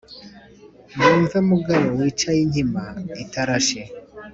Mwumve mugabo wicayeinkima itarashe :